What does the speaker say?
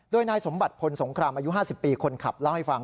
โดยนายสมบัติพลสงครามอายุ๕๐ปีคนขับเล่าให้ฟัง